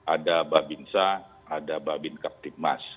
ada babinsa ada babin kaptipmas